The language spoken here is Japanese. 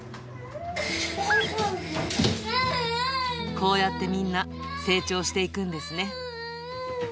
こうやってみんな成長していくんですね。